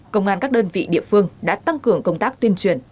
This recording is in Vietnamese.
công an các đơn vị địa phương đã tăng cường công tác tuyên truyền